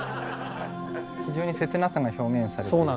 非常に切なさが表現されている。